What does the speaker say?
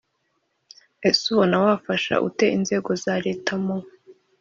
Ese ubona wafasha ute inzego za Leta mu